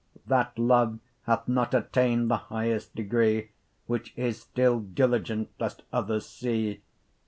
That love hath not attain'd the high'st degree, Which is still diligent lest others see.